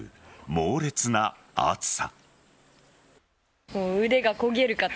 猛烈な暑さ。